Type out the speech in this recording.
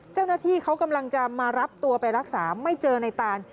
เจ้าหน้าที่เขากำลังจะมารับตัวไปรักษาไม่เจอในตาน